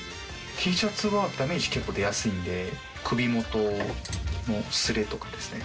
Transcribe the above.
Ｔシャツはダメージ結構出やすいんで、首元のすれとかですね。